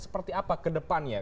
seperti apa ke depannya